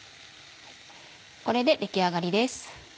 これで出来上がりです。